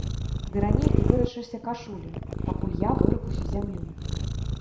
Ды раней ты вырачашся кашулі, пакуль я выракуся зямлі.